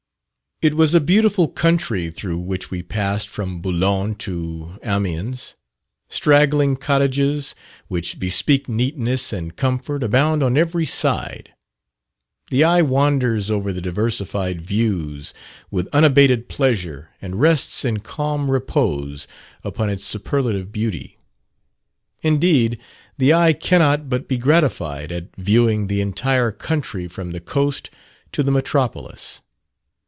It was a beautiful country through which we passed from Boulogne to Amiens. Straggling cottages which bespeak neatness and comfort abound on every side. The eye wanders over the diversified views with unabated pleasure, and rests in calm repose upon its superlative beauty. Indeed, the eye cannot but be gratified at viewing the entire country from the coast to the metropolis.